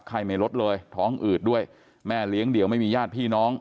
ไม่ลดเลยท้องอืดด้วยแม่เลี้ยงเดี่ยวไม่มีญาติพี่น้อง